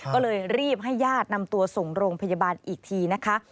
ก็เลยรีบให้ญาตินำตัวส่งโรงพยาบาลอีกทีนะคะ